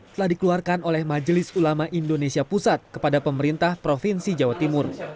telah dikeluarkan oleh majelis ulama indonesia pusat kepada pemerintah provinsi jawa timur